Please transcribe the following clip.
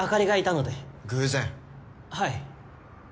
はい。